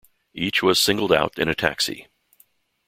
Each was singled out in a taxi.